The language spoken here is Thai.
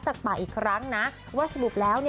จากปากอีกครั้งนะว่าสรุปแล้ว